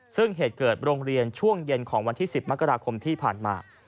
ซึ่งเหตุเกิดโรงเรียนช่วงเย็นของวันที่๑๐มกราคมที่ผ่านมา